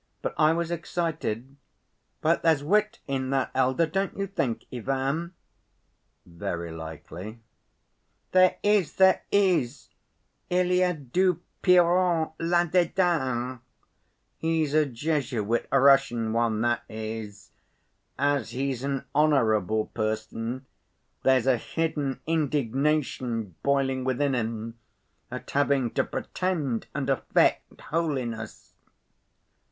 But I was excited. But there's wit in that elder, don't you think, Ivan?" "Very likely." "There is, there is. Il y a du Piron là‐dedans. He's a Jesuit, a Russian one, that is. As he's an honorable person there's a hidden indignation boiling within him at having to pretend and affect holiness."